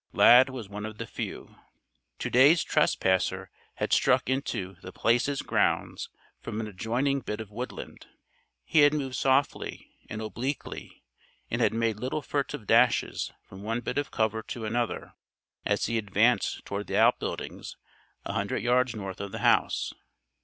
Lad was one of the few. To day's trespasser had struck into The Place's grounds from an adjoining bit of woodland. He had moved softly and obliquely and had made little furtive dashes from one bit of cover to another, as he advanced toward the outbuildings a hundred yards north of the house.